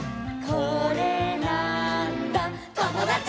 「これなーんだ『ともだち！』」